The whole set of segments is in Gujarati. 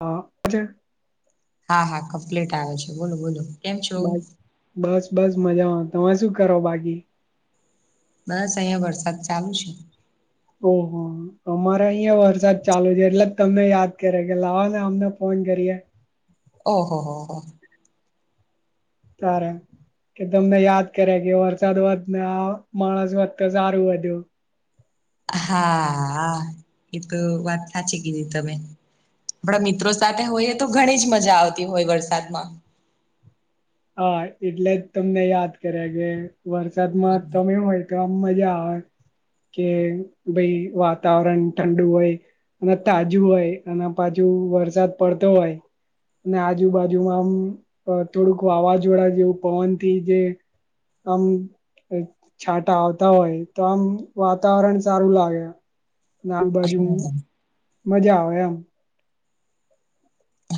હા હજે હા હા કપ્લેટ આવે છે બોલો બોલો કેમ છો બાજ બસ બસ મજામાં તમે શું કરો બાકી? બસ અહિયાં વરસાદ ચાલુ છે ઓ હો અમારે અહિયાં વરસાદ ચાલુ છે એટલે જ તમે યાદ કરે કે લાવો ને આમને ફોન કરીએ ઓહો હો હો તારે. કે તમને યાદ કર્યા કે વરસાદ વધ ને આ માણસ વધતા સારું વધ્યું. હા એતો વાત સાચી કીધી તમે. આપણા મિત્રો સાથે હોઈએ તો ઘણી જ મજા આવતી હોય વરસાદમાં. હા એટલે જ તમને યાદ કર્યા કે વરસાદમાં તમે હોય ગમ મજા આવે કે ભઈ વાતાવરણ ઠંડુ હોય અને તાજું હોય અને પાછું વરસાદ પડતો હોય અને આજુબાજુમાં આમ થોડુંક વાવાઝોડા જેવું પવનથી જે હમ. છાંટા આવતા હોય તો આમ વાતાવરણ સારું લાગે. નાબદાજુ મજા આવે એમ.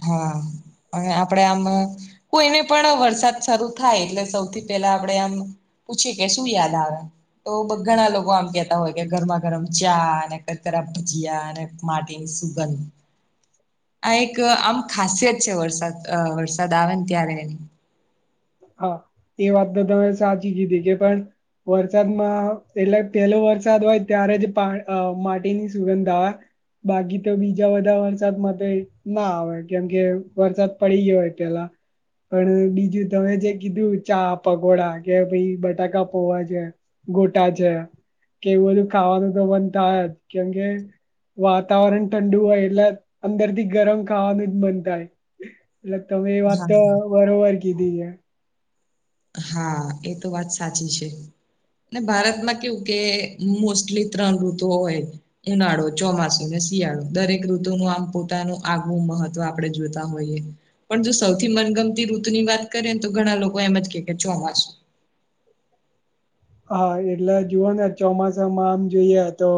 હા અને આપડે આમ કોઈને પણ વરસાદ શરૂ થાય એટલે સૌથી પેલા આપડે આમ પૂછે કે શું યાદ આવે. તો ઘણા લોકો આમ કેતા હોય કે ગરમા ગરમ ચા અને ક ખરાબ ભજીયાને માટી સુગંધ આ એક એક આમ ખાસિયત છે વરસાદ વરસાદ આવે ને ત્યારે એની. હા એ વાત તો તમે સાચી કીધી કે પણ વરસાદમાં એટલે પેલો વરસાદ હોય ત્યારે જ પા માટીની સુગંધા આવે બાકી તો બીજા બધા વરસાદ માટે ના આવે કેમકે વરસાદ પડી ગયો હોય પેલા. પણ બીજું તમે જે કીધું ચા પગોડા કે ભાઈ બટાકા પોવા જે ગોટા છે કે એવું બધું ખાવાનું તો બનતાાય જ કેમકે વાતાવરણ ઠંડુ એટલે અંદર થી ગરમ ખાવાનું જ મન થાય. એટલે તમે એ વાત તો હા બરોબર કીધી છે. હા એ તો વાત સાચી છે. ને ભારતમાં કેવું કે મોસ્ટલી ત્રણ ઋતુ હોય. ઉનાળો ચોમાસું ને શિયાળો દરેક ઋતુનું આમ પોતાનું આગવું મહત્વ આપણે જોતા હોઈએ. પણ જો સૌથી મનગમતી ઋતુ ની કરીએ તો ઘણા લોકો એમ કે ચોમાસુ. હા એટલે જુઓ ને ચોમાસામાં આમ જોઈએ તો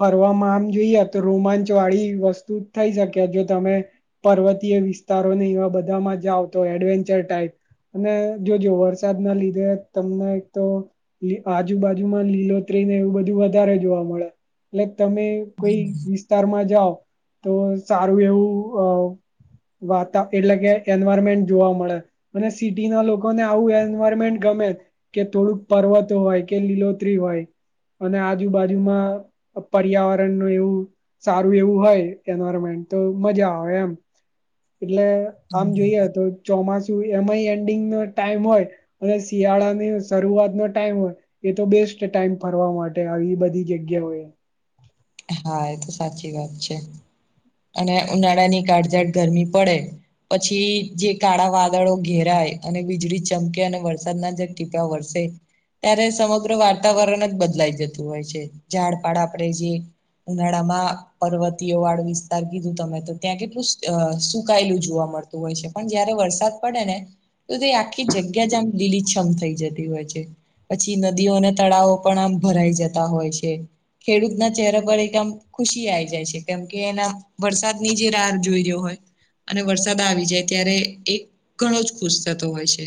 ફરવામાં આમ જોઈએ તો રોમાંચ વાળી વસ્તુ જ થઈ શકે જો તમે પર્વતીય વિસ્તારો ને એવા બધામાં જ આવતો એડવેન્ચર ટાઈપ અને જો જો વરસાદ ના લીધે તમને એક તો આજુબાજુમાં લીલોતરી ને એવું બધું વધારે જોવા મળે એટલે તમે કોઈ વિસ્તારમાં જાઓ તો સારું એવું અ વાતા એટલે કે એન્વાયરમેન્ટ જોવા મળે. અને સિટી ના લોકોને આવું એન્વાયરમેન્ટ ગમે કે થોડુંક પર્વતો હોય કે લીલોત્રી હોય અને આજુબાજુમાં પર્યાવરણનું એવું સારું એવું હોય એન્વાયરમેન્ટ તો મજા આવે એમ એટલે આમ જોઈએ તો ચોમાસું એમાંય એન્ડિંગ ન ટાઈમ હોય અને શિયાળાની શરૂઆત નો ટાઈમ હોય એ તો બેસ્ટ ટાઈમ ફરવા માટે આવી બધી જગ્યાઓ એ હા એ તો સાચી વાત છે અને ઉનાળાની કાળઝાટ ગરમી પડે પછી જે કાડા વાદળો ઘેરાય અને વીજળી ચમકે અને વરસાદના જ ટીપ્યા વરસે ત્યારે સમગ્ર વાતાવરણ જ બદલાઈ જતું હોય છે ઝાડ પાાડ આપડે જે ઉનડામાં પર્વતીયો વાળું વિસ્તાર કીધું તમે તો ત્યાં કેટલું સૂકાયેલું જોવા મળતું. હોય છે પણ જયારે વરસાદ પડે ને [unintelligible] આખી જગ્યા જ આમ લીલી છમ થઈ જતી હોય છે. પછી નદીઓ અને તળાવ પણ આમ ભરાઈ જતા હોય છે ખેડૂતના ચેહરા, [unintelligible] આમ, ખુશી આઈ જાય છે કેમ કે એના વરસાદ ની જે રાહ જોઈ રહ્યો હોય. અને વરસાદ આવી જાય ત્યારે એ ઘણો જ ખુશ થતો હોય છે.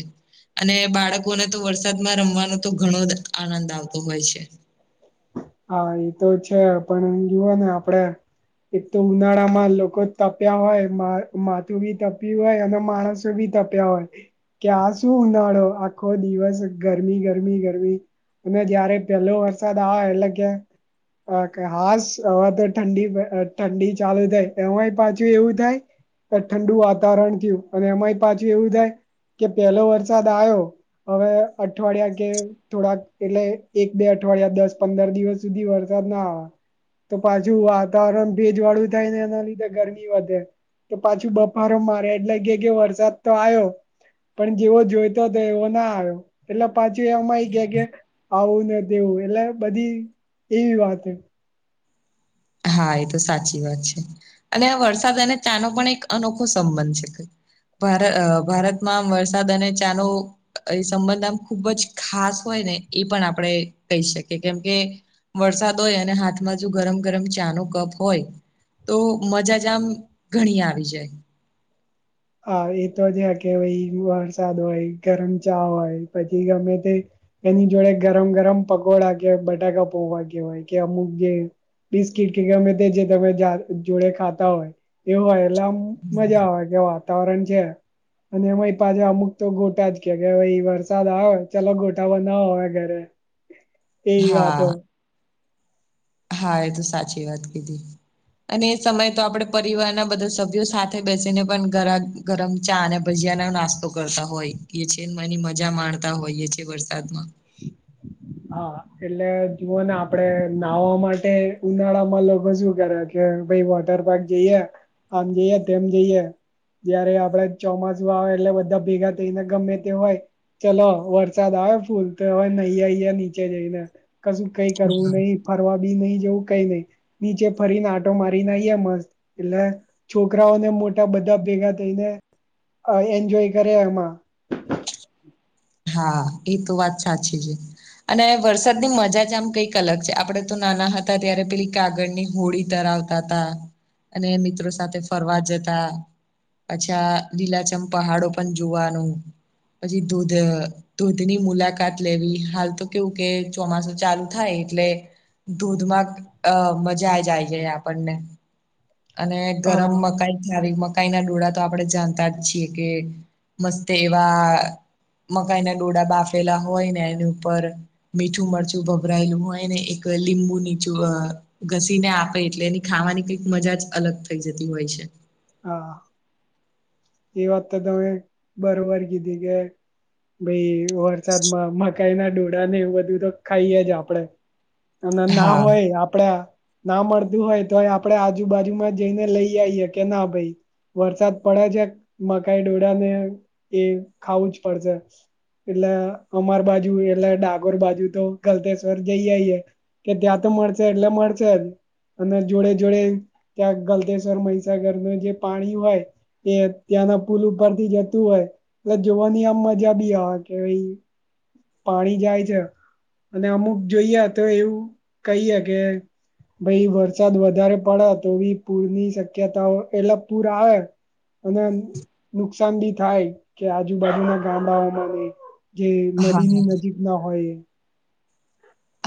અને બાળકોને તો વરસાદમાં રમવાનો તો ઘણો દ આનંદ આવતો હોય છે. હા ઈ તો છે પણ જુઓ ને આપડે, એક તો ઉનાળા માં લોકો તપ્યા હોય મા માથું બી તપ્યું હોય અને માણસ, બી તપ્યા હોય કે આ શું ઉનાળો આખો દિવસ ગરમી ગરમી ગરમી, અને જયારે પહેલો વરસાદ આવે એટલે કે, અ કે હાસ હવે તો ઠંડી અ ઠંડી ચાલુ થાય એમાંય પાછુય એવું થાય. ઠંડુ વાતાવરણ થયું અને એમાંય પાછું એવું થાય કે પહેલો વરસાદ આયો, હવે અઠવાડિયા કે થોડાક એટલે એક બે અઠવાડિયા દસ પંદર દિવસ, સુધી વરસાદ ના આવ, તો પાછું વાતાવરણ ભેજ વાળું થાય ને એના લીધે ગરમી વધે. તો પાછું બફારો મારે એટલે કે કે વરસાદ તો આયો. પણ જેવો જોઈતો હતો એવો ના આયો એટલે પાછું એમાંય કે કે, આવું ને તેવું એટલે બધી એવી વાત, હા એ તો સાચી વાત છે અને આ વરસાદ અને ચા નો પણ એક અનોખો સંબંધ છે કઈ, ભાર અ ભારતમાં આમ વરસાદ અને ચા નું, એ સંબંધ આમ ખુબ જ ખાસ હોય ને એ પણ આપણે કહી શકીએ કેમ કે, વરસાદ હોય અને હાથમાં જો ગરમ ગરમ, ચા નો કપ હોય તો મજા જ આમ ઘણી આવી જાય. હા એતો છે કે ભઈ વરસાદ હોય ગરમ ચા હોય પછી ગમે તે, એની જોડે ગરમ ગરમ પકોડા કે બટાકા પોવા કેવાય કે અમુક જે, બિસ્કીટ કે ગમે તે જે તમે જા જોડે ખાતા હોય. એવો એટલે આમ મજા આવે કે વાતાવરણ છે. અને એમાંય પાછા અમુક તો ગોટા જ કે [unintelligible] વરસાદ આવે ચલો ગોટા બનાવો હવે ઘરે, [inaudible] એવી વાતો, હા હા એ તો સાચી વાત કીધી. અને એ સમય તો આપડે પરિવારના બધા સભ્યો સાથે બેસીને પણ ઘર આ ગરમ ચા અને ભજીયાનો નાસ્તો કરતા હોય એ છે એની મજા માણતા હોય એ છે વરસાદમાં, હા એટલે જુઓને આપડે નાહવા માટે ઉનાળામાં લોકો શું કરે, કે ભઈ વોટર પાર્ક જઈએ આમ જઈએ તેમ જઈએ. જયારે આપડે ચોમાસુ આવે એટલે બધા ભેગા થઈને ગમે તે હોય. ચલો વરસાદ આવે ફૂલ તો હવે નહી આઈએ નીચે જઈને કશું કઈ કરવું નહી. ફરવા બી નય જવું કઈ નહી નીચે ફરીને આંટો મારીને આઈએ મસ્ત એટલે, છોકરાઓને મોટા બધા ભેગા થઈને અ એન્જોય કરે એમાં, હા એ તો વાત સાચી છે. અને વરસાદની મજા જ આમ કંઈક અલગ છે આપડે તો નાના હતા ત્યારે પેલી કાગળની હોળી તરાવ વતા અને મિત્રો સાથે ફરવા જતા. અચ્છા લીલાચમ પહાડો પણ જુવાનું પછી ધૂધ ધૂધની મુલાકાત લેવી હાલ તો કેવું કે ચોમાસું ચાલુ થાય એટલે, ધૂધમાં અ મજા આઈ જાય આપણને, અને હા ગરમ મકાઈ [unintelligible] મક્ મકાઈ ના ડોળા તો આપડણે જાણતા જ છીએ કે મસ્ત એવા, મકાઈ ના ડોડા બાફેલા હોય ને એની ઉપર મીઠું મરચું ભભરાયેલું હોય ને એક લીંબુ નીચું અ ઘસીને આપે એટલે એની ખાવાની કંઈક મજા જ અલગ થઈ જતી હોય છે. હા. એ વાત તો તમે બરોબર કીધી કે ભઈ હોય. વરસાદમાં મકાઈના ડોડા ને એવું બધું તો ખઈએ જ આપણેે અને ના હા હોય આપડા ના મળતું હોય તો ય આપડે આજુબાજુમાં જઈને લઈ આઈએે કે ના ભાઈ વરસાદ પડે છે મકાઈ ડોળાને એ ખાવું જ પડશે. એટલે અમાર બાજુ એટલે ડાકોર બાજુ તો ગલતેશ્વર જઈ આઈએે. કે ત્યાં તો મળશે એટલે મળશે જ અને જોડે જોડે ત્યાં ગલતેશ્વરમાં તાગરમાં જે પાણી હોય એ ત્યાંના પુલ ઉપરથી જતું હોય એટલે જોવાની આમ મજા બી આવે કે ભાઈ પાણી જાય છે. અને અમુક જોઈએ તો એવું કહીએ કે ભઈ વરસાદ વધારે પડે તો એ પૂર ની શક્યતાઓ એટલે પૂર આવે અને આમ નુકસાન બી થાય કે આજુબાજુ ના ગામડાઓમાં બી. જે નદીની હા નજીકના હોય.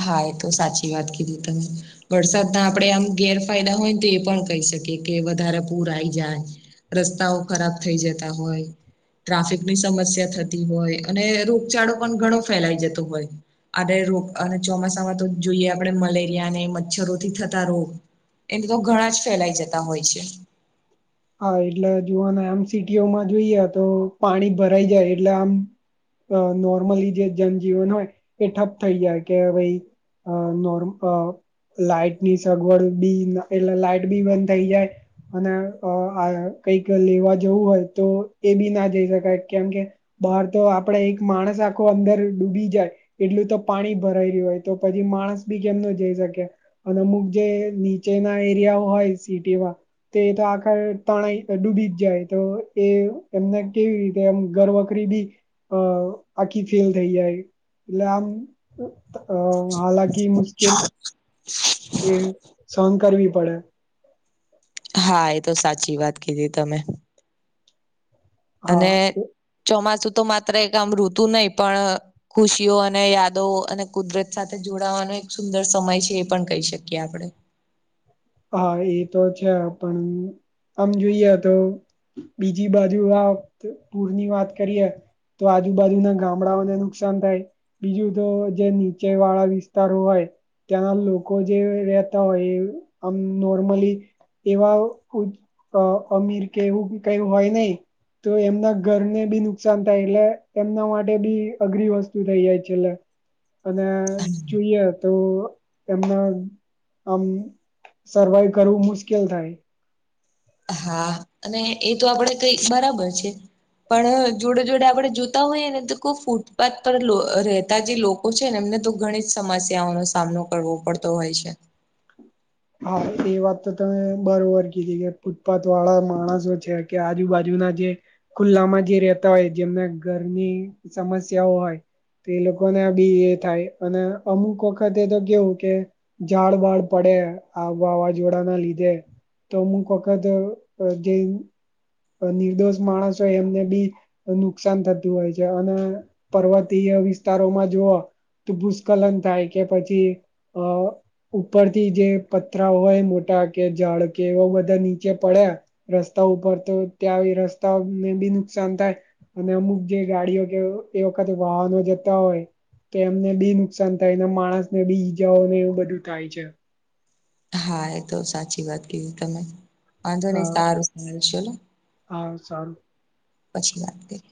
હા એ તો સાચી વાત કીધી તમે વરસાદના આપણે આમ ગેરફાયદા હોય ને તો એ પણ કહી શકીએ કે વધારે પૂર આઈ જાય. રસ્તાઓ ખરાબ થઇ જતા હોય. ટ્રાફિકની સમસ્યા થતી હોય અને રોગચાળો પણ ઘણો ફેલાઈ જતો હોય. આડરે રોગ અને ચોમાસામાં તો જોઈએ આપણે મલેરિયા ને મચ્છરોથી થતા રોગ એને તો ઘણા જ ફેલાઈ જતા હોય છે. હા એટલે જોવાના આમ સિટીઓમાં જોઈએ તો પાણી ભરાઈ જાય એટલે આમ અ નોર્મલી જે જનજીવન હોય એ ઠપ થઈ જાય કે ભઈ અ નોર્મ અ. લાઈટની સગવડ બી એટલે લાાઈટ બી બંધ થઈ જાય અને અ આ કઈક લેવા જવું હોય તો એ બી ના જઈ શકાય કેમ કે બહાર તો આપડે એક માણસ આખો અંદર ડૂબી જાય. એટલું તો પાણી ભરાય રહ્યું હોય તો પછી માણસ બી કેમનો જઈ શકે. અને અમુક જે નીચેના એરિયા હોય સિટીમાં તે તો આ ઘર તણાઈ ડૂબી જ જાય તો એ એમને કેવી રીતે એમ ઘરવકરી બી અ આખી ફેઇલ થઈ જાય એટલે આમ ત અ હાલાકી મુશ્કેલ એ સહન કરવી પડે. હા એ તો સાચી વાત કીધી તમે હા અને ચોમાસું તો માત્ર એક આમ ઋતુ નહી પણ ખુશીઓ અને યાદો અને કુદરત સાથે જોડાવાનો એક સુંદર સમય છે એ પણ કહી શકીએ આપણે. હા ઈ તો છે પણ આમ જોઈએ તો બીજી બાજુ આ પૂરની વાત કરીએ. તો આજુબાજુના ગામડાઓને નુકસાન થાય. બીજું તો જે નિચેવાળા વિસ્તાર હોય ત્યાંના લોકો જે રહેતા હોય આમ નોર્મલી એવા ઉપ અ અમીર કે એવું કઈ હોય નઈ. તો એમના ઘરને બી નુકસાન થાય એટલે એમના માટે બી અઘરી વસ્તુ થઈ જાય છેલ્લે. અને જોઈએ તો એમને આમ સર્વાય કરવું મુશ્કેલ થાય. હા અને એ તો આપડે કઈ બરાબર છે. પણ જોડે જોડે આપડે જોતા હોઈએ. ને તો કોક ફૂટપાથ પર અ રહેતા. જે લોકો ઓ છે. ને એમને તો ઘણી જ સમસ્યાઓનો સામનો કરવો પડતો હોય છે. હા એ વાત તો બરોબર કીધી કે ફૂટપાથ વાળા માણસો છે. કે આજુબાજુના જે. ખુલ્લામાં જે રહેતા હોય. જેમને ઘરની સમસ્યાઓ હોય. તે એ લોકોને બી એ થાય. અને અમુક વખતે તો કેવું કે. ઝાડ વાળ પડે. આ વાવાઝોડાના લીધે તો અમુક વખત જે. નિર્દોષ માણસ હોય. એમને બી નુકસાન થતું હોય છે. પર્વતીય વિસ્તારોમાં જુઆ ભૂસ્ખલન થાય. કે પછી અ ઉપરથી જે પથરા હોય મોટા કે જળ કે એવા બધા નીચે પડ્યા. રસ્તા ઉપર તો ત્યાં આવી રસ્તા ને બી નુકસાન થાય. અને અમુક જે ગાડીઓ કે એ વખતે વાહનો જતા હોય. કે એમને બી નુકસાન થાય ને માણસ ને બી ઈજાઓ ને એવું બધું થાય છે. હા એ તો સાચી વાત કીધ તમે વાંધો નહી હા સારુ ચલો. હા સારું.... પછી વાત કરીએ.